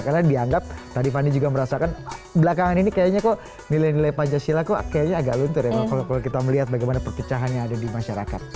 karena dianggap tadi pani juga merasakan belakangan ini kayaknya kok nilai nilai pancasila kok kayaknya agak luntur ya kalau kita melihat bagaimana perkecahan yang ada di masyarakat